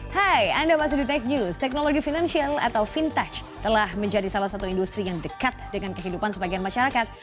hai anda masih di tech news teknologi finansial atau vintage telah menjadi salah satu industri yang dekat dengan kehidupan sebagian masyarakat